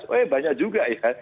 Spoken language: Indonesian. oh ya banyak juga ya